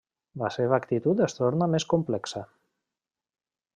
La seva actitud es torna més complexa.